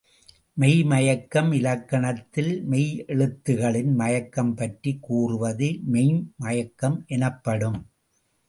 மெய் மயக்கம் இலக்கணத்தில் மெய்யெழுத்துகளின் மயக்கம் பற்றி கூறுவது மெய்ம் மயக்கம் எனப்படும்.